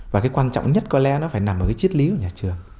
và cái quan trọng nhất có lẽ nó phải nằm ở cái chiết lý của nhà trường